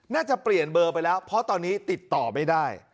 น่าจะเปลี่ยนเบอร์ไปแล้วเพราะตอนนี้ติดต่อไม่ได้